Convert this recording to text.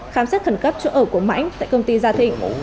khám xét khẩn cấp chỗ ở của mãnh tại công ty gia thịnh